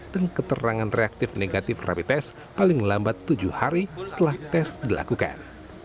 dan keterangan reaktif negatif rapid test paling lambat tujuh hari setelah tes dilakukan